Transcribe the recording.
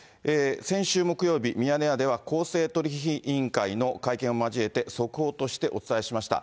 先週木曜日、ミヤネ屋では、公正取引委員会の会見を交えて、速報としてお伝えしました。